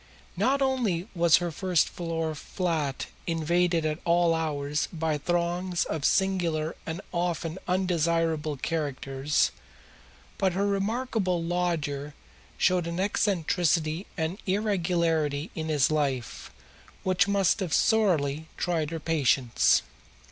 Not only was her first floor flat invaded at all hours by throngs of singular and often undesirable characters but her remarkable lodger showed an eccentricity and irregularity in his life which must have sorely tried her patience.